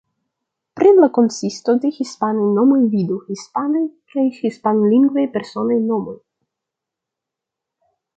Pri la konsisto de hispanaj nomoj vidu: Hispanaj kaj hispanlingvaj personaj nomoj.